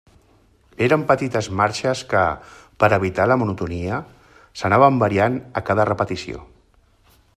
Eren petites marxes que, per evitar la monotonia, s'anaven variant a cada repetició.